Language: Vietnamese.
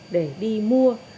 để đi mua